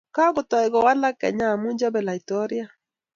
Kokotai kowalak Kenya amu chobe laitoriat